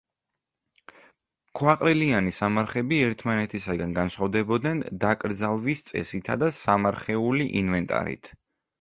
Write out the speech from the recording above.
ქვაყრილიანი სამარხები ერთმანეთისაგან განსხვავდებოდნენ დაკრძალვის წესითა და სამარხეული ინვენტარით.